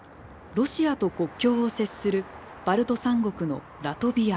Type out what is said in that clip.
ロシアと国境を接するバルト三国のラトビア。